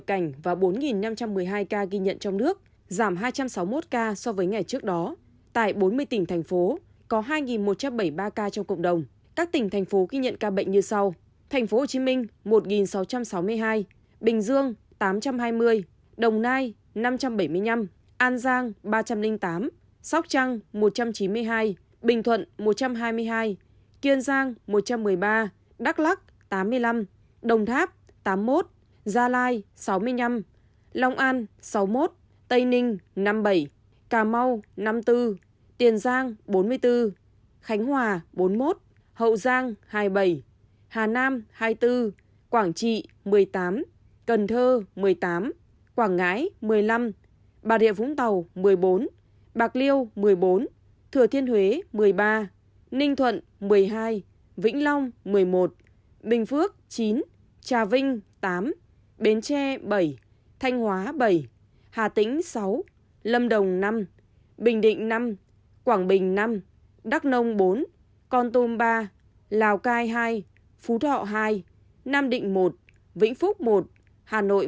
cần thơ một mươi tám quảng ngãi một mươi năm bà địa vũng tàu một mươi bốn bạc liêu một mươi bốn thừa thiên huế một mươi ba ninh thuận một mươi hai vĩnh long một mươi một bình phước chín trà vinh tám bến tre bảy thanh hóa bảy hà tĩnh sáu lâm đồng năm bình định năm quảng bình năm đắk nông bốn con tôm ba lào cai hai phú thọ hai nam định một vĩnh phúc một đắk nông bốn con tôm ba lào cai hai phú thọ hai nam định một vĩnh phúc một đắk nông bốn con tôm ba lào cai hai phú thọ hai nam định một vĩnh phúc một đắk nông bốn con tôm ba